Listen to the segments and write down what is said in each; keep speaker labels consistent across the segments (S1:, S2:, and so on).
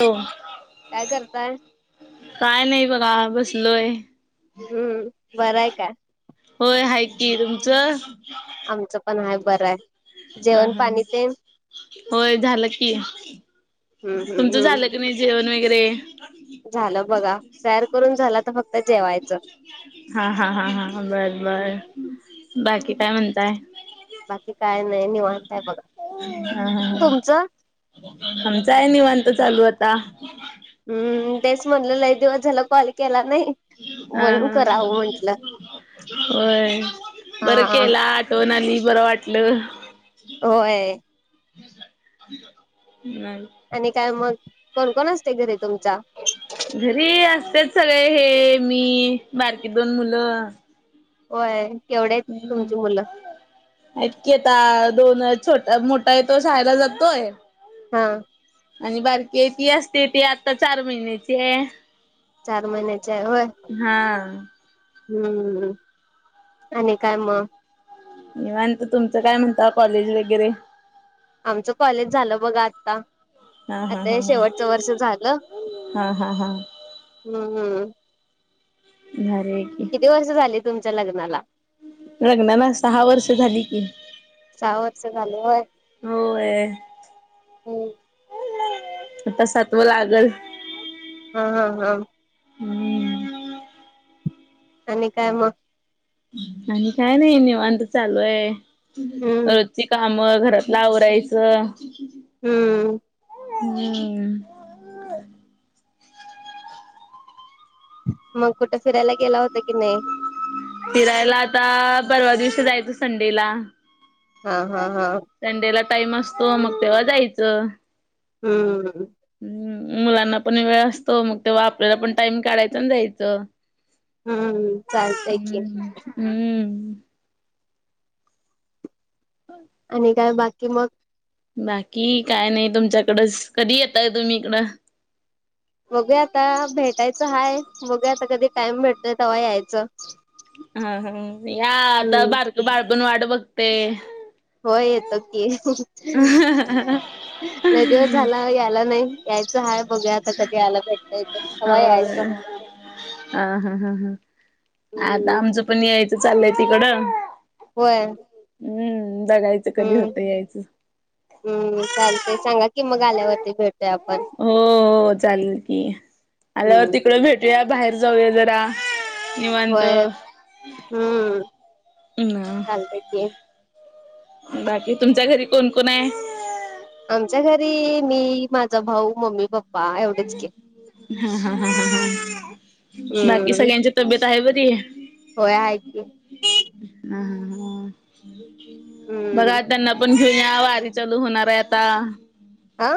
S1: हो.
S2: काय करताय.
S1: काय नाही बघा बसलोय.
S2: हम्म बरंय का.
S1: होय हाय कि तुमचं?
S2: आमचं पण हाय बरं आहे
S1: ह
S2: जेवण
S1: हा
S2: पाणी ते
S1: होय झालं की
S2: हम्म हम्म
S1: तुमचं
S2: हम्म
S1: झालं की नाही जेवण वगैरे?
S2: झालं बघा तयार करून झाला आता फक्त जेवायचं.
S1: हा हा हा हा बरं बर बाकी काय म्हणताय?
S2: बाकी काय नाही निवांतय आहे बघा तुमचं?
S1: आमचाय निवांत चालू आता.
S2: हम्म तेच म्हणलं लय दिवस झाला कॉल केला नाही.
S1: हा
S2: म्हणून करावं म्हंटलं.
S1: हा होय बर
S2: हा
S1: केला आ होन आली बरं वाटलं.
S2: होय.
S1: [unintelligible]
S2: आणि काय मग कोणकण असतय घरी तुमच्या?
S1: घरी असतेत सगळे हे मी बारकी दोन मुलं.
S2: होय! केवढे आहेत तुमची मुलं?
S1: [unintelligible] हायती आता दोन छोटा मोठा आहे तो शाळेला जातोय.
S2: हा!
S1: आणि बारकी आहे ती असते ती आता चार महिन्याची आहे.
S2: चार महिनेची आहे होय?
S1: हा
S2: हम्म आणि काय मग?
S1: निमानत, तुमचं काय म्हणत कॉलेज वगैरे?
S2: आमचं कॉलेज झालं बघा आता.
S1: हा हा हा
S2: हे
S1: हा
S2: शेवटचं वर्ष झालं
S1: हा हा हा!
S2: हम्म
S1: भारी आहे की.
S2: किती वर्ष झाली तुमच्या लग्नाला?
S1: लग्ना ला सहा वर्ष झाली की.
S2: सहा वर्ष झालंय होत
S1: होय
S2: हम!
S1: आता सत्व लागल.
S2: हा हा हा!
S1: हम्म
S2: आणि काय मग?
S1: आणि काय नाही निवांत चालू आहे.
S2: हम्म
S1: ची काम घरातला आवरायचं.
S2: हम्म!
S1: हम्म!
S2: मग कुठे फिरायला गेला होता की नाही?
S1: फिरायला आता परवा दिवशी जायचं संडेला.
S2: हा हा हा!
S1: संडेला टाइम असतो मग तेव्हा जायचं.
S2: हम्म!
S1: हम्, मुलांना पण वेळ असतो मग ते वापरायला पण टाइम काढायचान जायचं.
S2: हम्म चालतय की.
S1: हम्म हम्म! [unintelligible]
S2: आणि काय बाकी मग?
S1: बाकी काय नाही तुमच्याकडच, कधी यताय तुम्ही इकडं?
S2: बघूया आता भेटायचं हाय बघुया आता कधी टाइम भेटतोय तेव्हा यायचं.
S1: हा हा या आता
S2: हम्म
S1: बारक बाळ पण वाट बघतय.
S2: हो येतो की लय दिवस झाला याला नाही यायचं हाय बघू आता कधी यायला भेटय तव यायचं.
S1: हा हा हा हा आता
S2: हम्म
S1: आमचं पण यायचं चाललंय तिकडं.
S2: होय
S1: हम्म दगायचं कधी
S2: हम्म
S1: होतं यायचं.
S2: हम्म चालतय सांगा कि मग आल्यावरती भेटतोय आपण
S1: हो हो चालेल की आल्यावर तिकड
S2: हम्म
S1: भेटूया बाहेर जाऊया जरा निवंत
S2: होय हम्म
S1: हम.
S2: चालतय की
S1: बाकी तुमच्या घरी कोण कोण आहे.
S2: आमच्या घरी मी माझा भाऊ मम्मी पप्पा. एवढेच की
S1: हा ह ह ह ह बाकी
S2: हम्म
S1: सगळ्यांची तब्येत आहे बरी.
S2: होय हाय की.
S1: ह ह ह बघा
S2: हम्म
S1: त्यांना पण. घेऊन या वारी चालू होणार आहे आता.
S2: आा.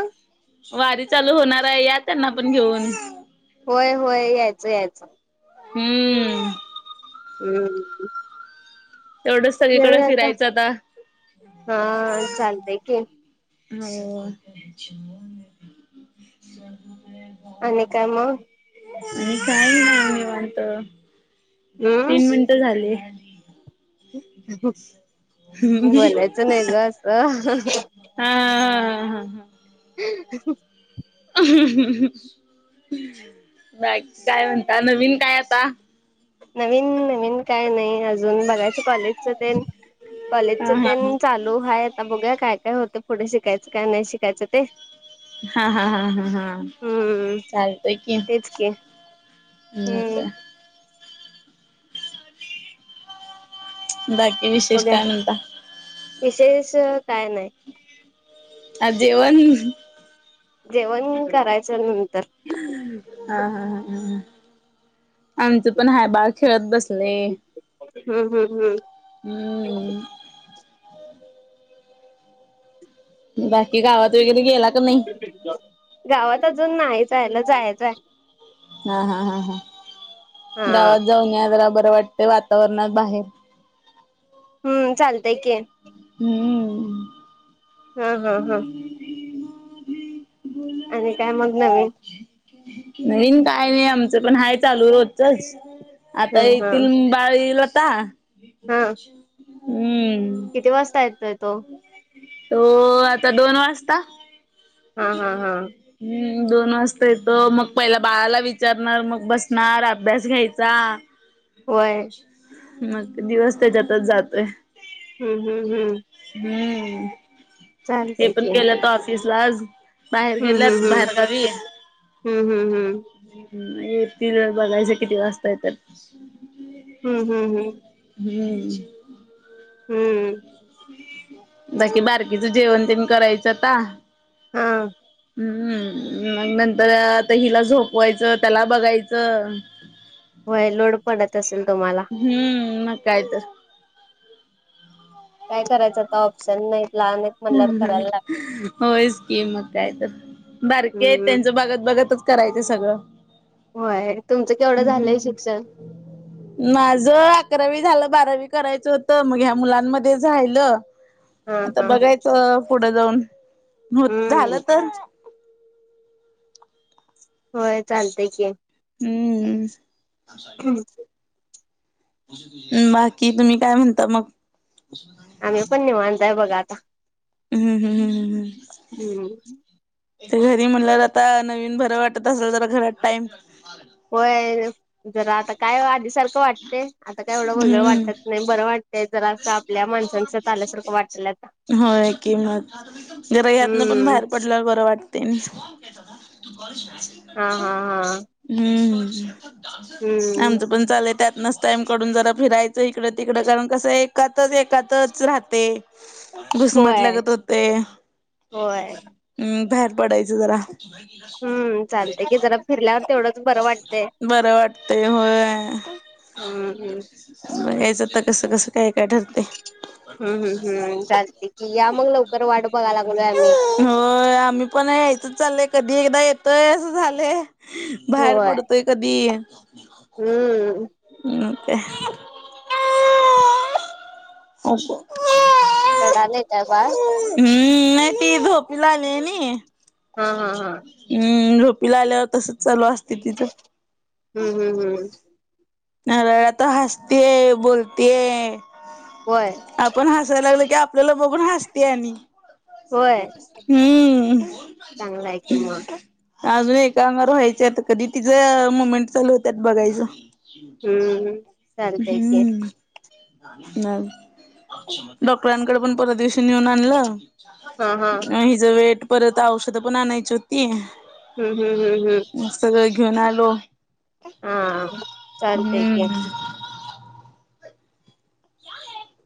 S1: वारी चालू होणार आहे या त्यांना पण घेऊन.
S2: होय होय यायचं यायचं.
S1: हम्म. हम्म.
S2: हम्म.
S1: तेवढं सळीकडे फिरायचं आता.
S2: हा चालतय की
S1: हो.
S2: आणि काय मग.
S1: आणि काही नाही निवांत
S2: हम्म
S1: तीन मिनटं झाली.
S2: [unintelligible] बोलायचं नाही ग असं.
S1: हा हा
S2: ह.
S1: ह. बाकी काय म्हणता नवीन काय आता.
S2: नवीन नवीन काय नाही अजून बघायच कॉलेजच ते कॉलेजच
S1: हा
S2: ते
S1: हा हा
S2: चालू. चालु हाय आता बघा काय काय होतं पुढे शिकायचं काय नाही शिकायचं ते.
S1: हा हा हा हा हा
S2: हम्म
S1: चालतंय की.
S2: हम्म
S1: नको. बाकी विशेष
S2: बघूया
S1: काय म्हणता.
S2: विशेष काय नाही.
S1: आ जेवण.
S2: जेवण करायचं नंतर.
S1: ह हा ह. आमचं पण हाय बाळ खेळत बसले.
S2: हम्म हम् हम्.
S1: ह. बाकी गावात वगैरे गेला का नाही.
S2: गावात अजून नाही जायला जायचंय.
S1: हा हा हा हा
S2: हा
S1: गावात जाऊन जरा बरं वाटत वातावरणात बाहेर.
S2: हम्म चालतय की.
S1: हम्.
S2: हा हा हा. आणि काय मग नवीन.
S1: नवीन काय नाही आमचं पण हाय चालू रोचच आता
S2: हा हा
S1: येथील. बाळी लता
S2: हा
S1: हम्म.
S2: किती वाजता येतोय तो.
S1: तो आता दोन वाजता.
S2: हा हा हा
S1: हम्म दोन वाजता येतो मग पहिला बाळाला विचारणार मग बसणार अभ्यास घ्यायचा.
S2: [inaudible] होय.
S1: मग दिवस त्याच्यातच जातोय.
S2: हम्म हम् हम्.
S1: हम्म हे
S2: चालतंय
S1: पण
S2: की
S1: गेलंत ऑफिस ला आज. बाहेर
S2: हम्म
S1: गेल्यात
S2: हम्म
S1: बाहेर गावी.
S2: हम्म हम्म हम्म
S1: हम नाही येतील बघायचं किती वाजता येत्यात.
S2: हम्म हम् हम्.
S1: हम्म.
S2: हम्म.
S1: बाकी बारकीचं जेवण तेन करायचं आता.
S2: हा.
S1: हम्म हम्म. न नंतर तहीला झोपवायचं त्याला बघायचं.
S2: होय लोड पडत असेल तुम्हाला.
S1: हम्म मग काय तर.
S2: काय करायचं आता ऑप्शन नाही लहान आहेत.
S1: हम
S2: म्हणल्यावर
S1: हम
S2: करायला लाग
S1: होयच कि मग काय तर बारके आहेत
S2: हम्म
S1: त्यांच बगत बघतच करायचं सगळं.
S2: होय तुमचं केवढं झालंय शिक्षण
S1: माझ अकरावी झालं बारावी करायचं होतं मग ह्या मुलांमध्ये झायलं.
S2: हा
S1: तर
S2: हा
S1: बघायचं पुढे जाऊन हो
S2: हम्म
S1: झालं तर.
S2: होय चालतय की.
S1: हम्म. बाकी तुम्ही काय म्हणता मग
S2: आम्ही पण निवांताय बघा आता.
S1: हं हं ह हम.
S2: हम्म.
S1: त घरी म्हणल्यावर आता नवीन बरं वाटत असेल तर घरात टाइम
S2: होय जरा आता काय आधी सारखं वाटते आता काय एवढं वेगळं
S1: हम्म
S2: वाटत नाही बरं वाट वाटलं आता
S1: होय की मग. जरा यातन पण
S2: हम्म
S1: बाहेर पडल बरं वाटते नाही.
S2: हा हा हा.
S1: हम्म
S2: हम्म
S1: आमचं पण चालय त्यात नसतं टाईम कडून जरा फिरायचं इकडं तिकडं कारण कसं एातच एकातच राहते. घुस्मट
S2: होय
S1: लागत होतेय
S2: होय
S1: हम् बाहेर पडायच जरा. तुही गेला नाही [inaudible]
S2: होय की जरा फिरल्यावर तेवढंच बर
S1: बरं वाटतय होय.
S2: अ हम.
S1: बघायचं आता कसं कसं काय काय ठर
S2: हम्म हम्म
S1: स
S2: हम्म चालते की या मग लवकर वाट बघाय लागलोय
S1: [inaudible]
S2: आम्ही.
S1: हो आम्ही पण यायचच चाललंय कधी एकदा येतय असं झालंय. बाहेर
S2: होय.
S1: पडतोय कधी.
S2: हम्म.
S1: क [inaudible] असशा [inaudible]
S2: रडाले काय बाळ.
S1: हम्म नाही ती झोपेला आल्या नाही.
S2: हा हा हा
S1: हम्म झोपीला आल्यावर तसच चालू असते तिचं
S2: हम्म हम्म हम्म
S1: हळू हळू आता हसते बोलते
S2: होय
S1: आपण हसायला लागल की आपल्याला बघून हसते आणि
S2: होय
S1: हम्म
S2: चांगला आहे की मग.
S1: अजून एका अंगवर व्हायचीय आता कधी तिचं मुमेंट चालू होत्यात बघायचं.
S2: हम्म चालतय की
S1: हूं नाय डॉक्टरांकडे पण परवा दिवशी नेऊन आ आणलं
S2: हा हा
S1: आणि हिज वेट परत औषध पण आणायची होती.
S2: हम्म हम्म हम्म -
S1: सगळं घेऊन आलो.
S2: आ चालतय की
S1: हम्म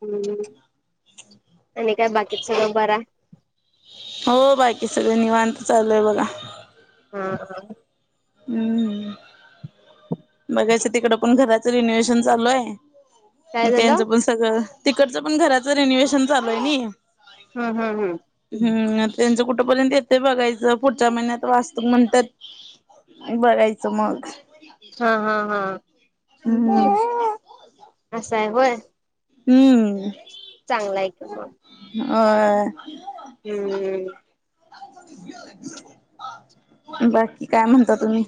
S2: हूं आणि काय बाकीचा न बरा
S1: हो बाकी सगळ निवांत चालूय बघा.
S2: हां
S1: हम्म बघायचं तिकड पण घराच रिनोवेशन चालू आहे न
S2: काय
S1: त्यांचं
S2: झालं
S1: पण सगळं तिकडचं पण घराचं रिंन्युव्हेशन चालू आहे नी
S2: हम्म हम्म हम्म
S1: हम्म त्यांचं कुठपर्यंत येत बघायचं पुढच्या महिन्यात वास्तूक म्हणत्यात. बघयचं मग
S2: हा हा हा
S1: हम्म
S2: असं आहे होय.
S1: हम्म
S2: चांगला आहे क म
S1: होय.
S2: हम्म.
S1: बाकी काय म्हणता तुम्ही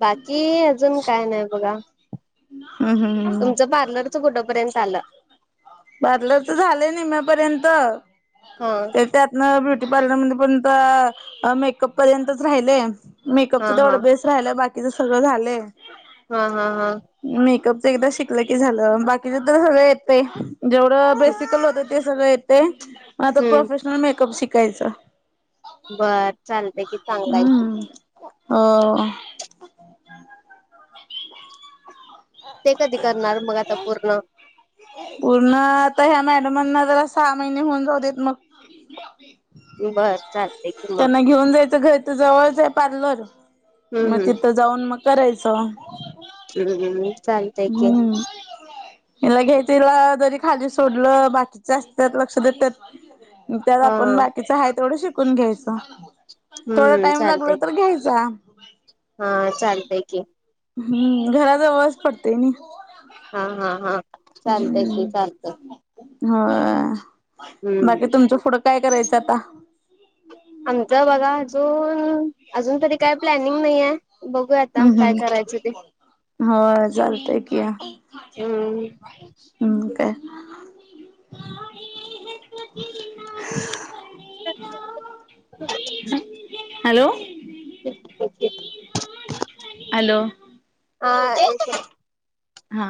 S2: बाकी अजून काय नाय बघा
S1: हम्म हम्म हं
S2: तुमचं पार्लरच कुठंपर्यंत आलं
S1: पार्लर चं झालं निम्यापर्यंत
S2: हा
S1: ते त्यात न ब्युटी पार्लर मध्ये पण त मेकअप पर्यंतच राहिलय
S2: हा
S1: मेकअपच
S2: हा
S1: तेवढं बेस्ट राहिलंय बाकीचं सगळं झालंय.
S2: हा हा हा
S1: मेकअपच एकदा शिकलं की झालं बाकीचे तर सगळ येतय जेवढं बेसिकल होत ते सगळं येतय म आता
S2: हम्म
S1: प्रोफेशनल मेकअप शिकायचं.
S2: बर चालते की चांगला आहे
S1: अम्म अ
S2: ते कधी करणार मग आता पूर्ण
S1: पूर्ण आता ह्या मॅडमांना जरा सहा महिने होऊन जाऊ देत मग
S2: बर चालते कि मग
S1: त्यांना घेऊन जायचं घर तिथ जवळच आहे पार्लर म
S2: हम्म
S1: तिथं जाऊन म करायचं.
S2: चालतय की
S1: हम्म. हिला घ्यायचं हीला जरी खाली सोडलं बाकीच्या असत्यात लक्ष देतात. म त्यात
S2: हा
S1: आपण बाकीचं हाय तेवढं शिकून घ्यायचं. थोडा
S2: हम्म
S1: टाईम लागल
S2: चालतय
S1: तर घ्यायचा.
S2: हा चालतय की
S1: हम्म घराजवळच पडतय नी
S2: हा हा हा चालतय त चालतं
S1: हा बाकी
S2: हम्म
S1: तुमचं पुढं काय करायचं आता
S2: आमच बघा अजून अजून तरी काय प्लॅनिंग नाहीये बघूया आता काय करायचं ते
S1: हो चालतय की
S2: हम्म
S1: हम् काे
S2: [inaudible]
S1: हॅलो.
S2: के.
S1: हॅलो.
S2: ह.
S1: हा.